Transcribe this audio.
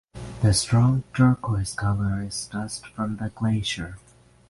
The strong turquoise color is dust from the glacier.